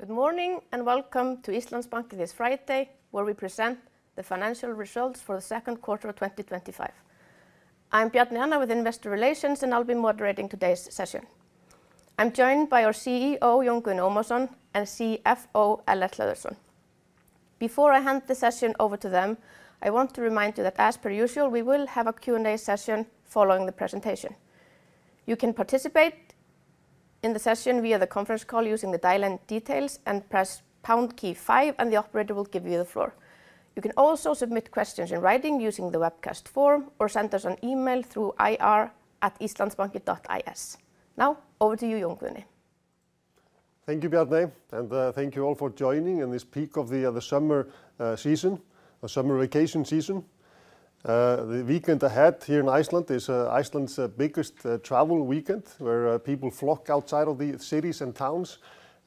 Good morning and welcome to Íslandsbanki this Friday, where we present the financial results for the second quarter of 2025. I'm Bjarney Anna with Investor Relations, and I'll be moderating today's session. I'm joined by our CEO, Jón Guðni Ómarsson, and CFO, Ellert Hlöðversson. Before I hand the session over to them, I want to remind you that, as per usual, we will have a Q&A session following the presentation. You can participate in the session via the conference call using the dial-in details and press pound key five, and the operator will give you the floor. You can also submit questions in writing using the webcast form or send us an email through ir@islandsbanki.is. Now, over to you, Jón Guðni. Thank you, Bjarney, and thank you all for joining in this peak of the summer season, the summer vacation season. The weekend ahead here in Iceland is Iceland's biggest travel weekend, where people flock outside of the cities and towns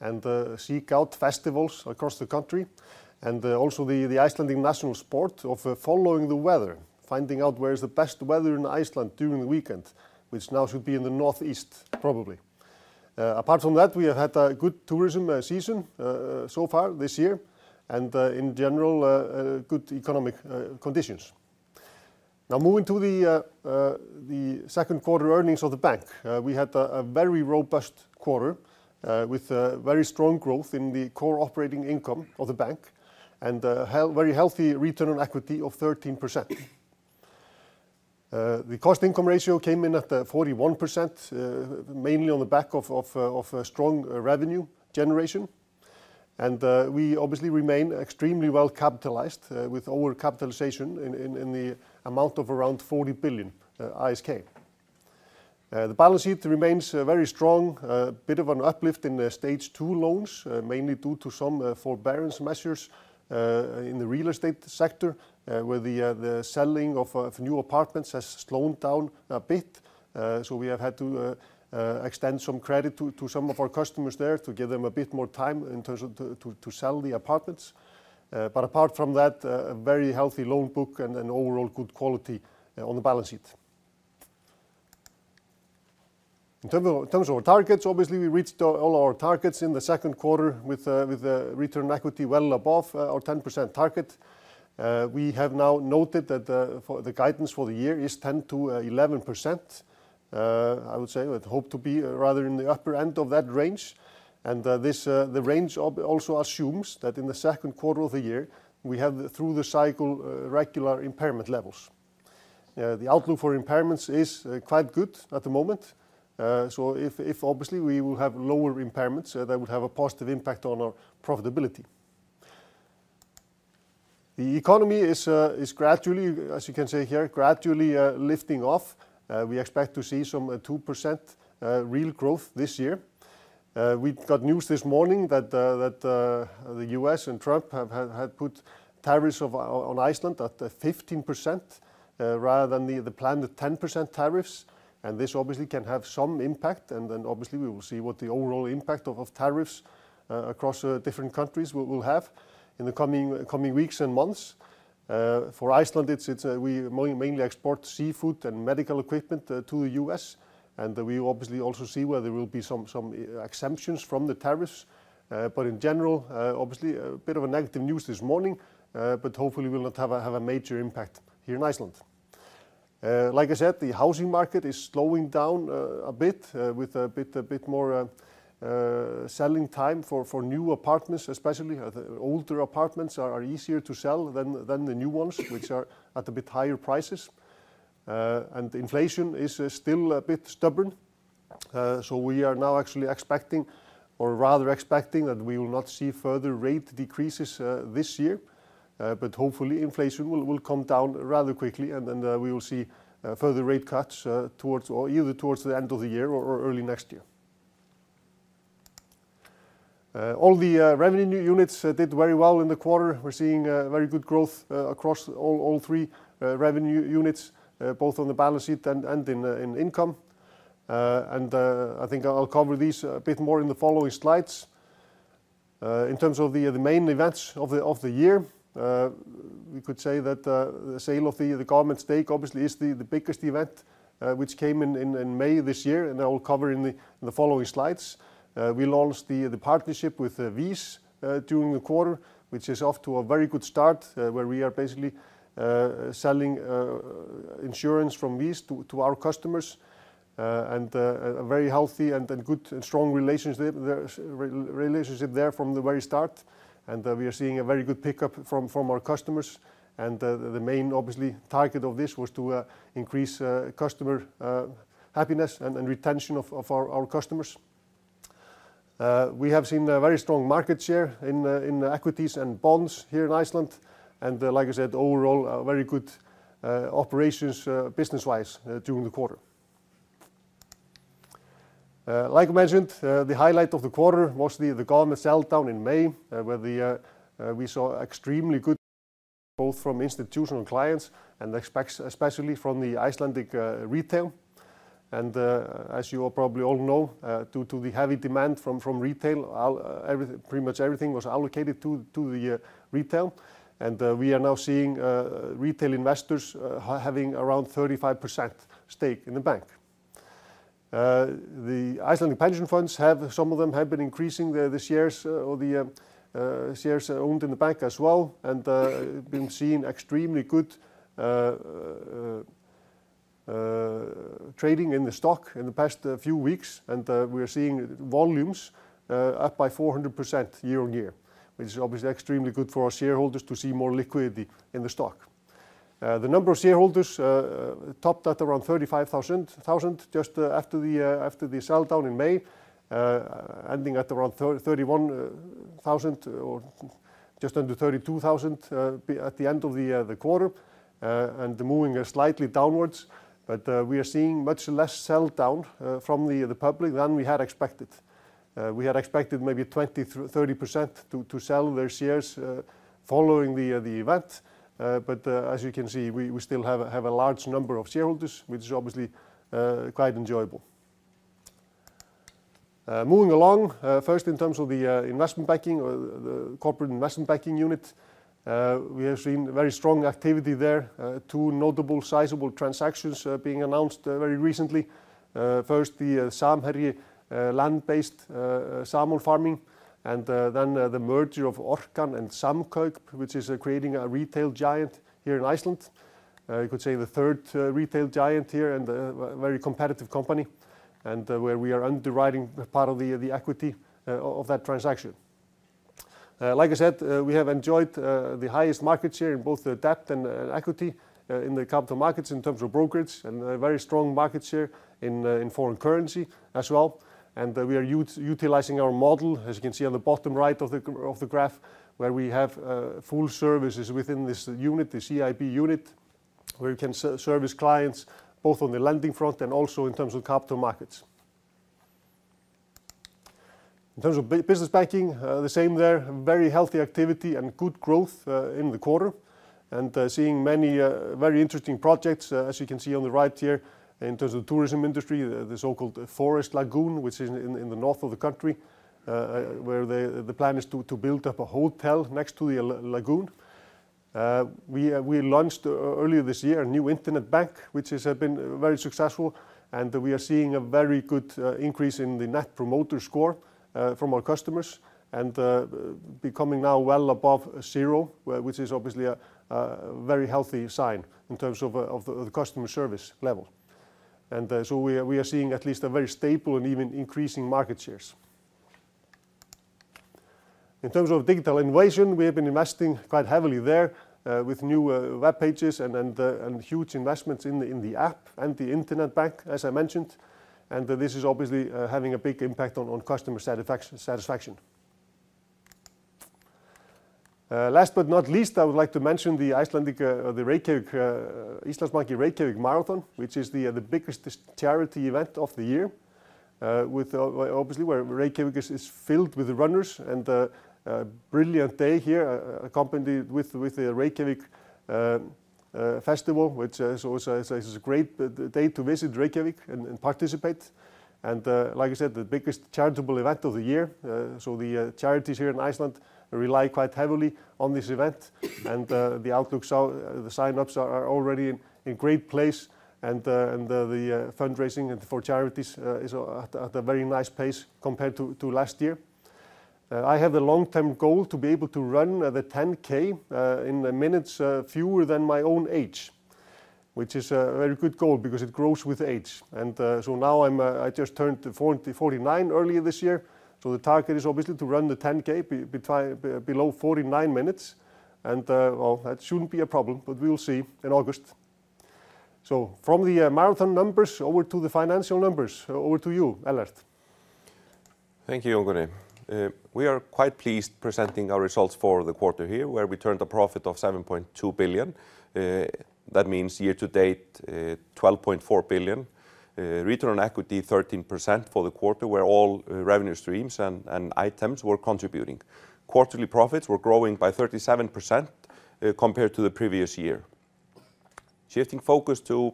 and seek out festivals across the country. Also, the Icelandic national sport of following the weather, finding out where is the best weather in Iceland during the weekend, which now should be in the northeast, probably. Apart from that, we have had a good tourism season so far this year, and in general, good economic conditions. Now moving to the second quarter earnings of the bank, we had a very robust quarter with very strong growth in the core operating income of the bank and a Return on Equity of 13%. The Cost-to-Income Ratio came in at 41%, mainly on the back of strong revenue generation. We obviously remain extremely well capitalized with overcapitalization in the amount of around 40 billion ISK. The balance sheet remains very strong, a bit of an uplift in stage two loans, mainly due to some forbearance measures in the real estate sector, where the selling of new apartments has slowed down a bit. We have had to extend some credit to some of our customers there to give them a bit more time in terms of selling the apartments. Apart from that, a very healthy loan book and overall good quality on the balance sheet. In terms of our targets, obviously we reached all our targets in the second quarter Return on Equity well above our 10% target. We have now noted that the guidance for the year is 10% to 11%. I would say I'd hope to be rather in the upper end of that range. This range also assumes that in the second quarter of the year we have through the cycle regular impairment levels. The outlook for impairments is quite good at the moment. If obviously we will have lower impairments, that would have a positive impact on our profitability. The economy is gradually, as you can see here, gradually lifting off. We expect to see some 2% real growth this year. We got news this morning that the U.S. and Trump have put tariffs on Iceland at 15% rather than the planned 10% tariffs. This obviously can have some impact. We will see what the overall impact of tariffs across different countries will have in the coming weeks and months. For Iceland, we mainly export seafood and medical equipment to the U.S. We obviously also see where there will be some exemptions from the tariffs. In general, obviously a bit of negative news this morning, but hopefully it will not have a major impact here in Iceland. Like I said, the housing market is slowing down a bit with a bit more selling time for new apartments, especially older apartments are easier to sell than the new ones, which are at a bit higher prices. Inflation is still a bit stubborn. We are now actually expecting, or rather expecting, that we will not see further rate decreases this year. Hopefully inflation will come down rather quickly and then we will see further rate cuts either towards the end of the year or early next year. All the revenue units did very well in the quarter. We're seeing very good growth across all three revenue units, both on the balance sheet and in income. I think I'll cover these a bit more in the following slides. In terms of the main events of the year, we could say that the sale of the government stake obviously is the biggest event which came in May this year, and I will cover in the following slides. We launched the partnership with VÍS during the quarter, which is off to a very good start, where we are basically selling insurance from VÍS to our customers. A very healthy and good, strong relationship there from the very start. We are seeing a very good pickup from our customers. The main target of this was to increase customer happiness and retention of our customers. We have seen a very strong market share in equities and bonds here in Iceland. Like I said, overall a very good operations business-wise during the quarter. Like I mentioned, the highlight of the quarter, mostly the government sell down in May, where we saw extremely good growth both from institutional clients and especially from the Icelandic retail. As you all probably know, due to the heavy demand from retail, pretty much everything was allocated to the retail. We are now seeing retail investors having around 35% stake in the bank. The Icelandic pension funds, some of them have been increasing the shares owned in the bank as well. We've been seeing extremely good trading in the stock in the past few weeks. We're seeing volumes up by 400% year-on-year, which is obviously extremely good for our shareholders to see more liquidity in the stock. The number of shareholders topped at around 35,000 just after the sell down in May, ending at around 31,000 or just under 32,000 at the end of the quarter. The moving is slightly downwards. We are seeing much less sell down from the public than we had expected. We had expected maybe 20%-30% to sell their shares following the event. As you can see, we still have a large number of shareholders, which is obviously quite enjoyable. Moving along, first in terms of the investment banking or the corporate investment banking unit, we have seen very strong activity there. Two notable sizable transactions being announced very recently. First, the Samherji land-based salmon farming, and then the merger of Orkan and Samkaup, which is creating a retail giant here in Iceland. You could say the third retail giant here and a very competitive company, where we are underwriting part of the equity of that transaction. Like I said, we have enjoyed the highest market share in both debt and equity in the capital markets in terms of brokers and a very strong market share in foreign currency as well. We are utilizing our model, as you can see on the bottom right of the graph, where we have full services within this unit, the CIP unit, where we can service clients both on the lending front and also in terms of capital markets. In terms of business banking, the same there, very healthy activity and good growth in the quarter. Seeing many very interesting projects, as you can see on the right here, in terms of the tourism industry, the so-called Forest Lagoon, which is in the north of the country, where the plan is to build up a hotel next to the lagoon. We launched earlier this year a new internet bank, which has been very successful. We are seeing a very good increase in the net promoter score from our customers, and becoming now well above zero, which is obviously a very healthy sign in terms of the customer service level. We are seeing at least a very stable and even increasing market shares. In terms of digital innovation, we have been investing quite heavily there with new web pages and huge investments in the app and the internet bank, as I mentioned. This is obviously having a big impact on customer satisfaction. Last but not least, I would like to mention the Icelandic or the Reykjavik, Íslandsbanki Reykjavik Marathon, which is the biggest charity event of the year. Obviously, Reykjavik is filled with runners and a brilliant day here, accompanied with the Reykjavik Festival, which is a great day to visit Reykjavik and participate. Like I said, the biggest charitable event of the year. The charities here in Iceland rely quite heavily on this event. The outlook sign-ups are already in a great place, and the fundraising for charities is at a very nice place compared to last year. I have a long-term goal to be able to run the 10K in minutes fewer than my own age, which is a very good goal because it grows with age. I just turned 49 earlier this year, so the target is obviously to run the 10K below 49 minutes. That shouldn't be a problem, but we'll see in August. From the marathon numbers over to the financial numbers, over to you, Ellert. Thank you, Jón Guðni. We are quite pleased presenting our results for the quarter here, where we turned a profit of 7.2 billion. That means year to date 12.4 billion. Return on Equity 13% for the quarter, where all revenue streams and items were contributing. Quarterly profits were growing by 37% compared to the previous year. Shifting focus to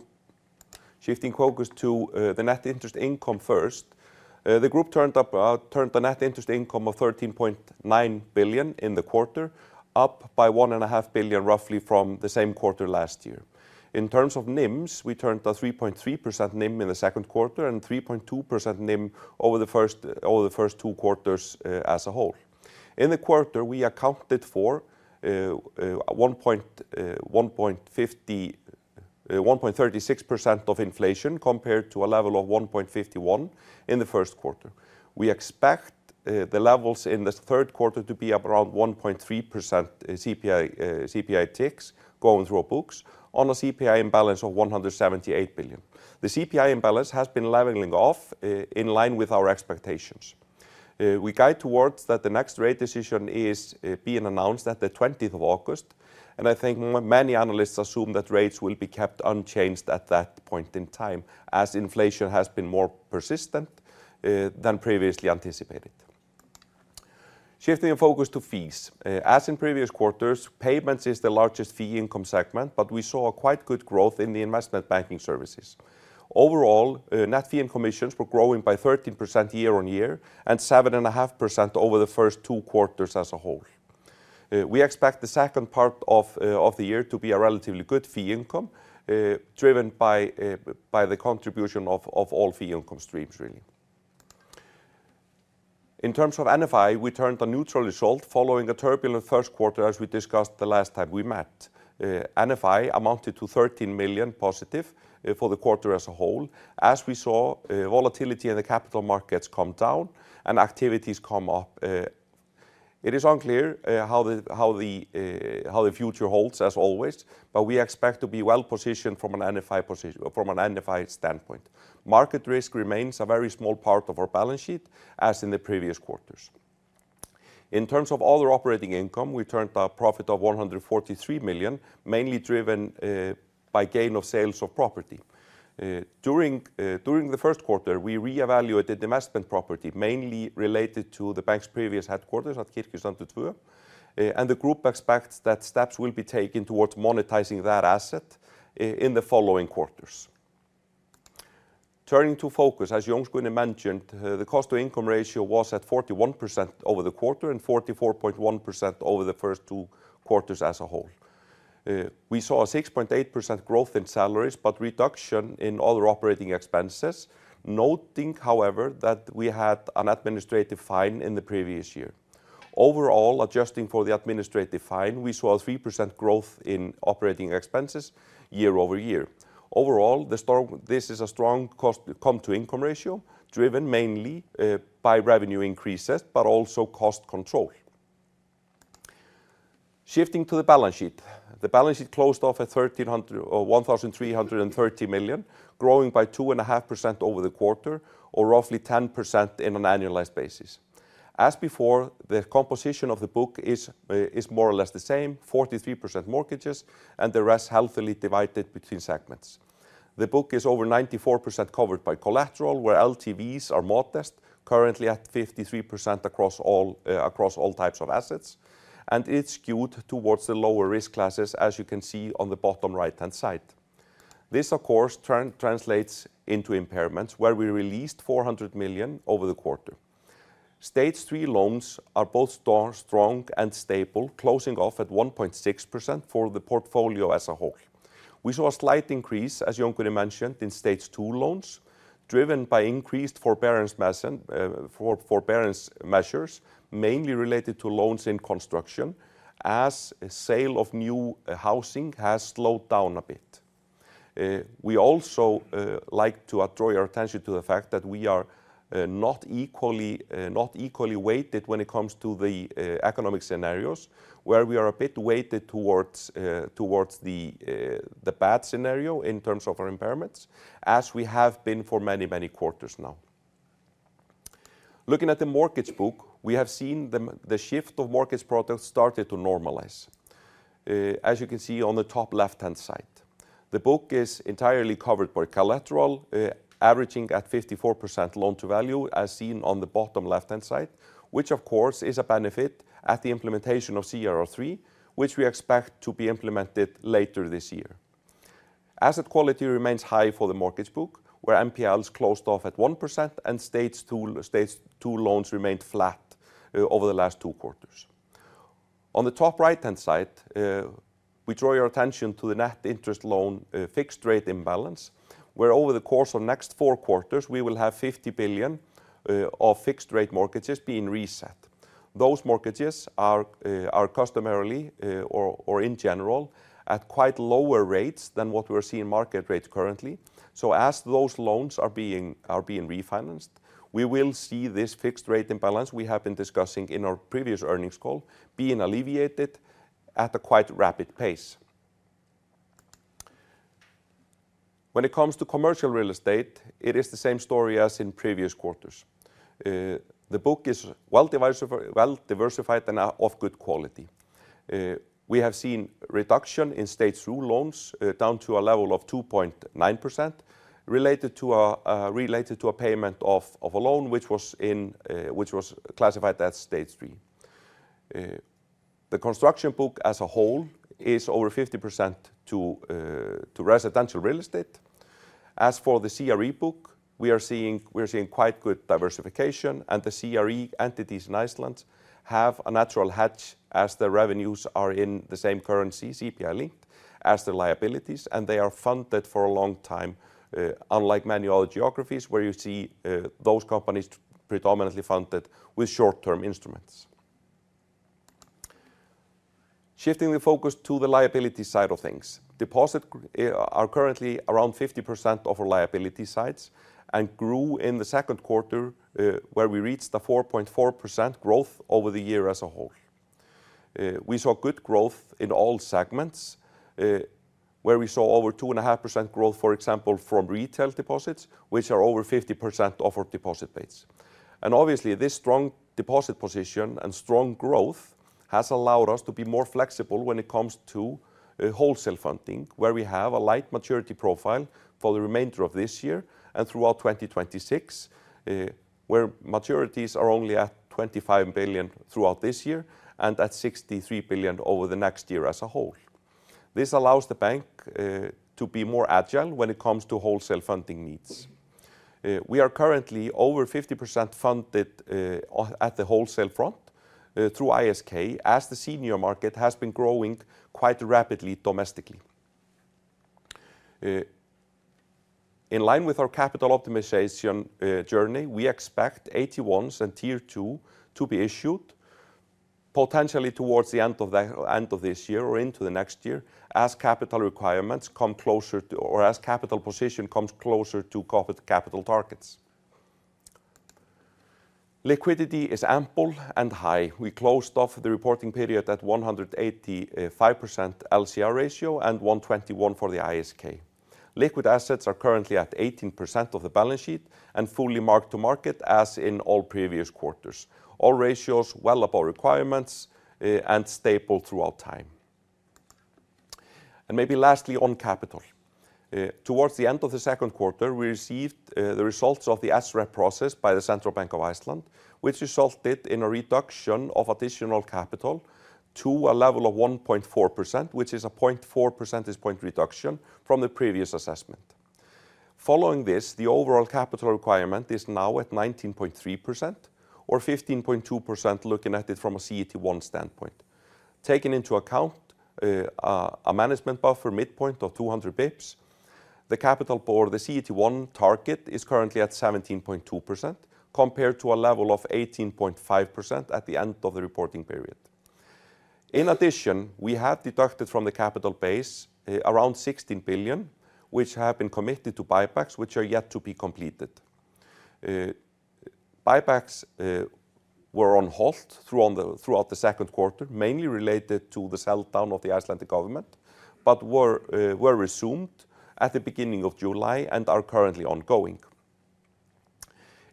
the net interest income first. The group turned the net interest income of 13.9 billion in the quarter, up by 1.5 billion roughly from the same quarter last year. In terms of NIMs, we turned a 3.3% NIM in the second quarter and 3.2% NIM over the first two quarters as a whole. In the quarter, we accounted for 1.36% of inflation compared to a level of 1.51% in the first quarter. We expect the levels in the third quarter to be around 1.3% CPI ticks going through books on a CPI Imbalance of 178 billion. The CPI Imbalance has been leveling off in line with our expectations. We guide towards that the next rate decision is being announced at the 20th of August. I think many analysts assume that rates will be kept unchanged at that point in time, as inflation has been more persistent than previously anticipated. Shifting the focus to fees. As in previous quarters, payments is the largest fee income segment, but we saw quite good growth in the investment -banking services. Overall, net fee and commissions were growing by 13% year-on-year and 7.5% over the first two quarters as a whole. We expect the second part of the year to be a relatively good fee income, driven by the contribution of all fee income streams, really. In terms of NFI, we turned a neutral result following a turbulent first quarter, as we discussed the last time we met. NFI amounted to 13 million positive for the quarter as a whole, as we saw volatility in the capital markets come down and activities come up. It is unclear how the future holds, as always, but we expect to be well positioned from an NFI standpoint. Market risk remains a very small part of our balance sheet, as in the previous quarters. In terms of other operating income, we turned a profit of 143 million, mainly driven by gain of sales of property. During the first quarter, we reevaluated investment property, mainly related to the bank's previous headquarters at Kirkjufellatöru. The group expects that steps will be taken towards monetizing that asset in the following quarters. Turning to focus, as Jón Guðni mentioned, the Cost-to-Income Ratio was at 41% over the quarter and 44.1% over the first two quarters as a whole. We saw a 6.8% growth in salaries, but a reduction in other operating expenses, noting, however, that we had an administrative fine in the previous year. Overall, adjusting for the administrative fine, we saw a 3% growth in operating expenses year-over-year. Overall, this is a strong Cost-to-Income Ratio, driven mainly by revenue increases, but also cost control. Shifting to the balance sheet. The balance sheet closed off at 1,330 million, growing by 2.5% over the quarter, or roughly 10% on an annualized basis. As before, the composition of the book is more or less the same, 43% mortgages, and the rest healthily divided between segments. The book is over 94% covered by collateral, where LTVs are modest, currently at 53% across all types of assets. It is skewed towards the lower risk classes, as you can see on the bottom right-hand side. This, of course, translates into impairments, where we released 400 million over the quarter. Stage three loans are both strong and stable, closing off at 1.6% for the portfolio as a whole. We saw a slight increase, as Jón Guðni mentioned, in stage two loans, driven by increased forbearance measures, mainly related to loans in construction, as the sale of new housing has slowed down a bit. We also like to draw your attention to the fact that we are not equally weighted when it comes to the economic scenarios, where we are a bit weighted towards the bad scenario in terms of our impairments, as we have been for many, many quarters now. Looking at the mortgage book, we have seen the shift of mortgage products started to normalize, as you can see on the top left-hand side. The book is entirely covered by collateral, averaging at 54% loan to value, as seen on the bottom left-hand side, which, of course, is a benefit at the implementation of CRR3, which we expect to be implemented later this year. Asset quality remains high for the mortgage book, where MPLs closed off at 1% and stage two loans remained flat over the last two quarters. On the top right-hand side, we draw your attention to the net interest loan fixed rate imbalance, where over the course of the next four quarters, we will have 50 billion of fixed rate mortgages being reset. Those mortgages are customarily, or in general, at quite lower rates than what we are seeing market rates currently. As those loans are being refinanced, we will see this fixed rate imbalance we have been discussing in our previous earnings call being alleviated at a quite rapid pace. When it comes to commercial real estate, it is the same story as in previous quarters. The book is well diversified and of good quality. We have seen a reduction in state through loans down to a level of 2.9% related to a payment of a loan which was classified as stage three. The construction book as a whole is over 50% to residential real estate. As for the CRE book, we are seeing quite good diversification, and the CRE entities in Iceland have a natural hedge as their revenues are in the same currency, ISK, as their liabilities, and they are funded for a long time, unlike many other geographies where you see those companies predominantly funded with short-term instruments. Shifting the focus to the liability side of things, deposits are currently around 50% of our liability sides and grew in the second quarter, where we reached a 4.4% growth over the year as a whole. We saw good growth in all segments, where we saw over 2.5% growth, for example, from retail deposits, which are over 50% of our deposit rates. Obviously, this strong deposit position and strong growth has allowed us to be more flexible when it comes to wholesale funding, where we have a light maturity profile for the remainder of this year and throughout 2026, where maturities are only at 25 billion throughout this year and at 63 billion over the next year as a whole. This allows the bank to be more agile when it comes to wholesale funding needs. We are currently over 50% funded at the wholesale front through ISK, as the senior market has been growing quite rapidly domestically. In line with our capital optimization journey, we expect AT1s and Tier two to be issued potentially towards the end of this year or into the next year, as capital requirements come closer to, or as capital position comes closer to corporate capital targets. Liquidity is ample and high. We closed off the reporting period at 185% LCR ratio and 121% for the ISK. Liquid assets are currently at 18% of the balance sheet and fully marked to market, as in all previous quarters. All ratios well above requirements and stable throughout time. Maybe lastly on capital. Towards the end of the second quarter, we received the results of the SREP process by the Central Bank of Iceland, which resulted in a reduction of additional capital to a level of 1.4%, which is a 0.4% point reduction from the previous assessment. Following this, the overall capital requirement is now at 19.3% or 15.2% looking at it from a CET1 standpoint. Taking into account a management buffer midpoint of 200 bps, the CET1 target is currently at 17.2% compared to a level of 18.5% at the end of the reporting period. In addition, we had deducted from the capital base around 16 billion, which have been committed to buybacks, which are yet to be completed. Buybacks were on hold throughout the second quarter, mainly related to the sell down of the Icelandic government, but were resumed at the beginning of July and are currently ongoing.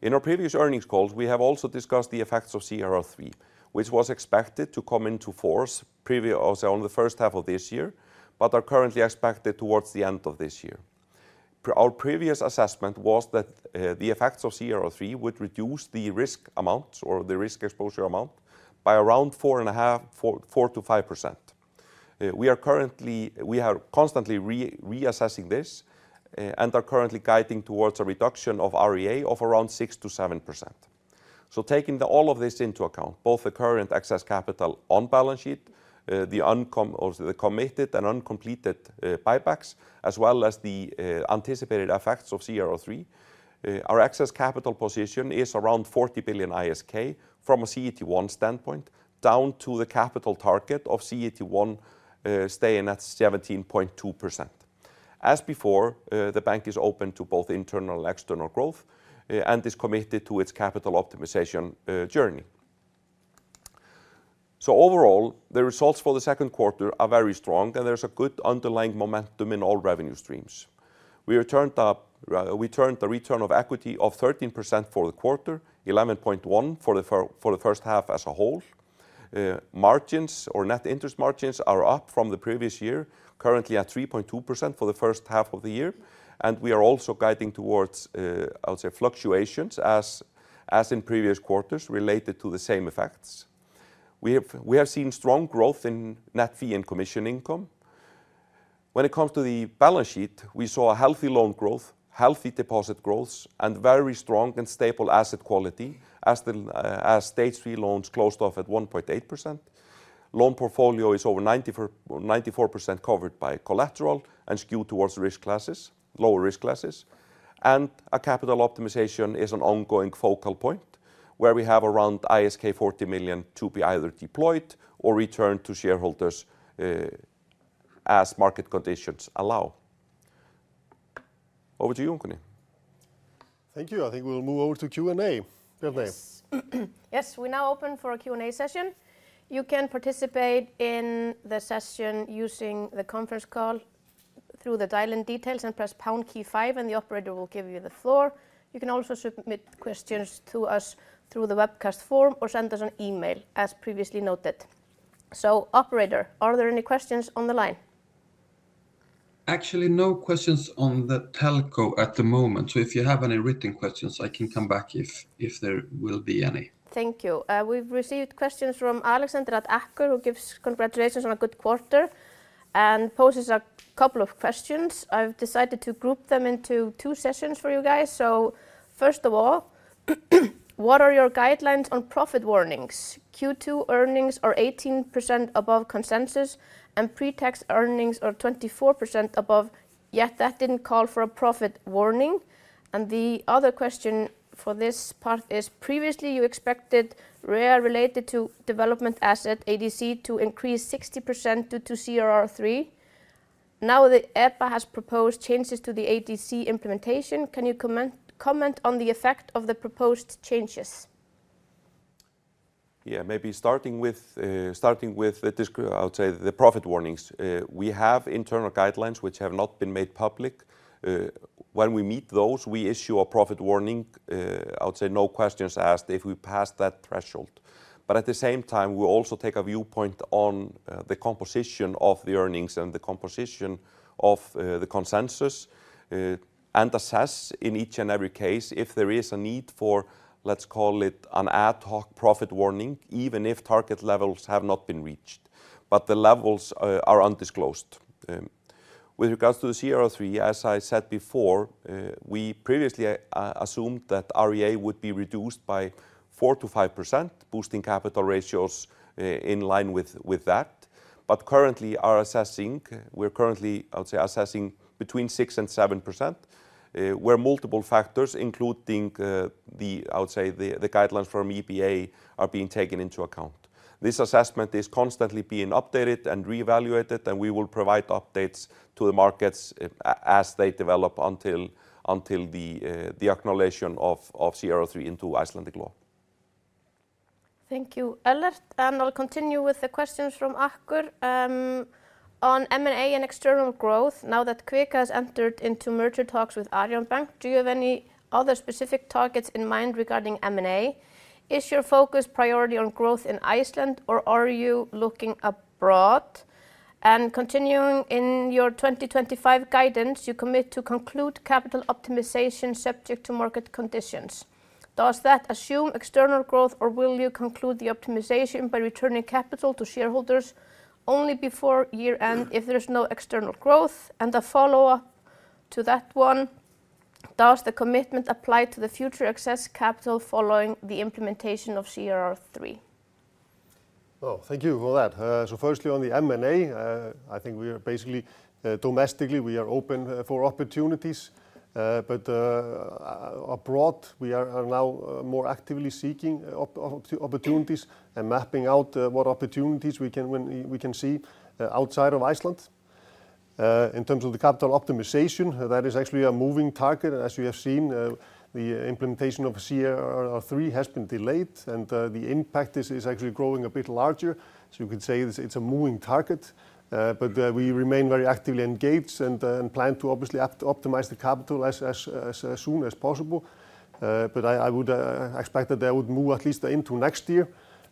In our previous earnings calls, we have also discussed the effects of CRR3, which was expected to come into force in the first half of this year, but are currently expected towards the end of this year. Our previous assessment was that the effects of CRR3 would reduce the risk amount or the risk exposure amount by around 4.5% to 5%. We are constantly reassessing this and are currently guiding towards a reduction of REA of around 6% to 7%. Taking all of this into account, both the current excess capital on balance sheet, the committed and uncompleted buybacks, as well as the anticipated effects of CRR3, our excess capital position is around 40 billion ISK from a CET1 standpoint down to the capital target of CET1 staying at 17.2%. As before, the bank is open to both internal and external growth and is committed to its capital optimization journey. Overall, the results for the second quarter are very strong and there's a good underlying momentum in all revenue streams. We Return on Equity of 13% for the quarter, 11.1% for the first half as a whole. Margins or net interest margins are up from the previous year, currently at 3.2% for the first half of the year. We are also guiding towards, I'll say, fluctuations as in previous quarters related to the same effects. We have seen strong growth in Net Fee and Commission Income. When it comes to the balance sheet, we saw healthy loan growth, healthy deposit growth, and very strong and stable asset quality as the stage three loans closed off at 1.8%. Loan portfolio is over 94% covered by collateral and skewed towards lower risk classes. Capital optimization is an ongoing focal point where we have around ISK 40 million to be either deployed or returned to shareholders as market conditions allow. Over to you, Jón Guðni. Thank you. I think we'll move over to Q&A, Bjarney. Yes, we now open for a Q&A session. You can participate in the session using the conference call through the dial-in details and press the pound key five, and the operator will give you the floor. You can also submit questions to us through the webcast form or send us an email as previously noted. Operator, are there any questions on the line? Actually, no questions on the telco at the moment. If you have any written questions, I can come back if there will be any. Thank you. We've received questions from Alexander at Acker who gives congratulations on a good quarter and poses a couple of questions. I've decided to group them into two sessions for you guys. First of all, what are your guidelines on profit warnings? Q2 earnings are 18% above consensus and pre-tax earnings are 24% above. Yet that didn't call for a profit warning. The other question for this part is previously you expected Net Fee and Commission Income related to development asset ADC to increase 60% due to CRR3. Now the EBA has proposed changes to the ADC implementation. Can you comment on the effect of the proposed changes? Yeah, maybe starting with, I would say the profit warnings. We have internal guidelines which have not been made public. When we meet those, we issue a profit warning. I would say no questions asked if we pass that threshold. At the same time, we also take a viewpoint on the composition of the earnings and the composition of the consensus and assess in each and every case if there is a need for, let's call it an ad hoc profit warning, even if target levels have not been reached. The levels are undisclosed. With regards to the CRR3, as I said before, we previously assumed that REA would be reduced by 4% to 5%, boosting capital ratios in line with that. Currently, we're assessing between 6% and 7%, where multiple factors, including the guidelines from EBA, are being taken into account. This assessment is constantly being updated and reevaluated, and we will provide updates to the markets as they develop until the acknowledgment of CRR3 into Icelandic law. Thank you, Ellert. I'll continue with the questions from Acker on M&A and external growth. Now that Kvik has entered into merger talks with Arion Bank, do you have any other specific targets in mind regarding M&A? Is your focus priority on growth in Iceland or are you looking abroad? In your 2025 guidance, you commit to conclude capital optimization subject to market conditions. Does that assume external growth or will you conclude the optimization by returning capital to shareholders only before year end if there's no external growth? The follow-up to that one, does the commitment apply to the future excess capital following the implementation of CRR3? Oh, thank you for that. Firstly, on the M&A, I think we are basically domestically, we are open for opportunities. Abroad, we are now more actively seeking opportunities and mapping out what opportunities we can see outside of Iceland. In terms of the capital optimization, that is actually a moving target. As you have seen, the implementation of CRR3 has been delayed and the impact is actually growing a bit larger. You could say it's a moving target. We remain very actively engaged and plan to obviously optimize the capital as soon as possible. I would expect that would move at least into next year.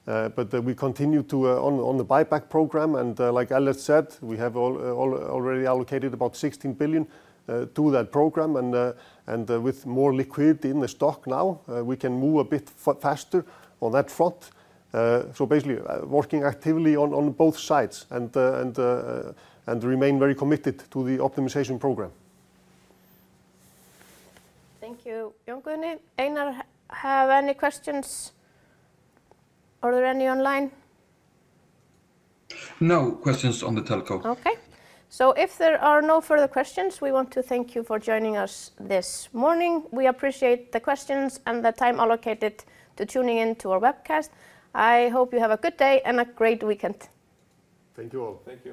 We continue on the buyback program. Like Ellert said, we have already allocated about 16 billion to that program. With more liquidity in the stock now, we can move a bit faster on that front. Basically, working actively on both sides and remain very committed to the optimization program. Thank you. Jón Guðni, any questions? Are there any online? No questions on the telco. If there are no further questions, we want to thank you for joining us this morning. We appreciate the questions and the time allocated to tuning in to our webcast. I hope you have a good day and a great weekend. Thank you all. Thank you.